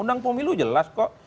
undang pemilu jelas kok